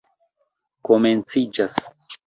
komenciĝas